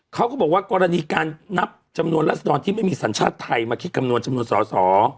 เขาก็บอกว่ากรณีการนับจำนวนรัศดรที่ไม่มีสัญชาติไทยมาคิดคำนวณจำนวนสอสอ